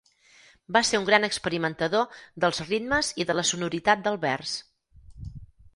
Va ser un gran experimentador dels ritmes i de la sonoritat del vers.